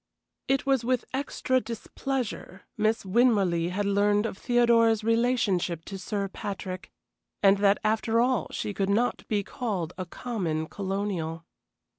It was with extra displeasure Miss Winmarleigh had learned of Theodora's relationship to Sir Patrick, and that after all she could not be called a common colonial.